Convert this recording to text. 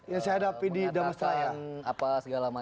ya pak saya ada pd damastraya